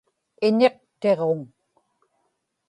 iñiqtiġuŋ